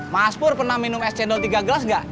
mas pur pernah minum es cendol tiga gelas gak